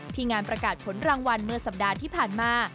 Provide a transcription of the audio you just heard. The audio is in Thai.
งานประกาศผลรางวัลเมื่อสัปดาห์ที่ผ่านมา